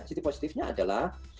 sisi positifnya adalah